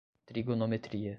trigonometria